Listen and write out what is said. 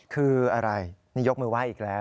คืออะไรนี่ยกมือไหว้อีกแล้ว